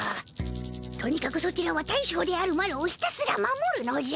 とにかくソチらは大将であるマロをひたすら守るのじゃ。